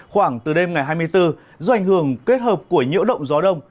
khoảng từ đêm ngày hai mươi bốn do ảnh hưởng kết hợp của nhiễu động gió đông